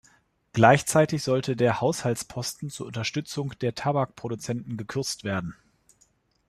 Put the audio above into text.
Gleichzeitig sollte der Haushaltsposten zur Unterstützung der Tabakproduzenten gekürzt werden.